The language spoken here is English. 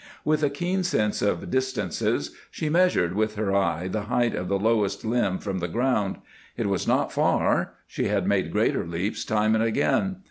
With a keen sense of distances, she measured with her eye the height of the lowest limb from the ground. It was not far; she had made greater leaps time and again.